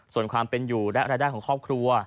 ส่วนความเป็นอยู่และรายได้ของครอบครัว